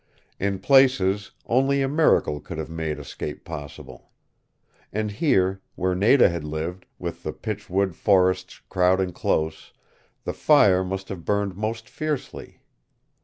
In places only a miracle could have made escape possible. And here, where Nada had lived, with the pitch wood forests crowding close, the fire must have burned most fiercely.